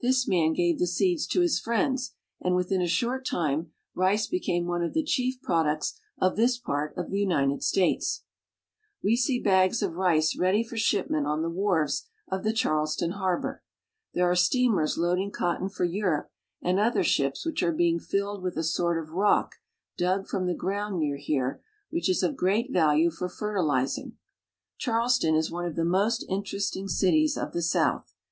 This man gave the seeds to his friends, and within a short time rice became one of the chief products of this part of the United States. A Street in Charleston. We see bags of rice ready for shipment on the wharves of the Charleston harbor. There are steamers loading cotton for Europe, and other ships which are being filled with a sort of rock dug from the ground near here, which is of great value for fertilizing. Charleston is one of the most interesting cities of the South.